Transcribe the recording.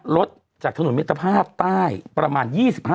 รถจากถนนมิตรภาพใต้ประมาณ๒๕